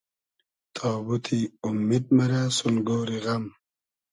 تابوتی اومید مئرۂ سون گۉری غئم